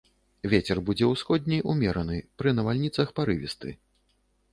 Вецер будзе ўсходні ўмераны, пры навальніцах парывісты.